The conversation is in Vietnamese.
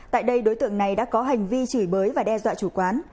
tại đây đối tượng này đã có hành vi chửi bới và đe dọa chủ quán